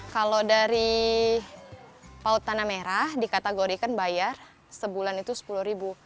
kalau dari paut tanah merah dikategorikan bayar sebulan itu sepuluh ribu